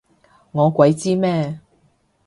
我鬼知咩？